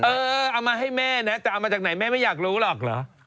เออเออเออเออเอามาให้แม่นะแต่เอามาจากไหนแม่ไม่อยากรู้หรอก